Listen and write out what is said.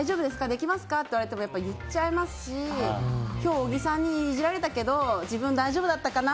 できますかって聞かれたら言っちゃいますし今日小木さんにイジられたけど自分大丈夫だったかな？